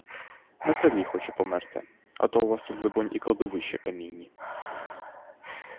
На селі хочу померти, а то у вас тут, либонь, і кладовища камінні.